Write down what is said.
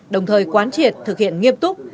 đồng thời quán triệt thực hiện nghiêm túc